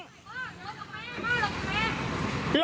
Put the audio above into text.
พ่อลบไหมพ่อลบไหม